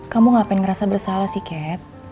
kamu ngapain ngerasa bersalah sih cat